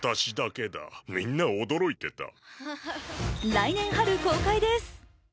来年春公開です。